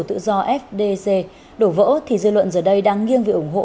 tự do fdc đổ vỡ thì dư luận giờ đây đang nghiêng về ủng hộ